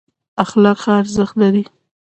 اخلاق څه ارزښت لري؟